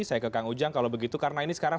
saya ke kang ujang kalau begitu karena ini sekarang